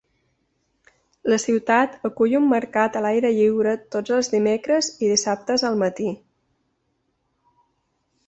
La ciutat acull un mercat a l'aire lliure tots els dimecres i dissabtes al matí.